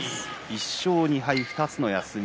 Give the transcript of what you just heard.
１勝２敗２つの休み。